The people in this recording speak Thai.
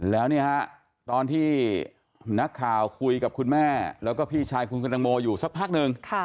แล้วนี่ฮะตอนที่นักข่าวคุยกับคุณแม่แล้วก็พี่ชายคุณตังโมอยู่สักพักหนึ่ง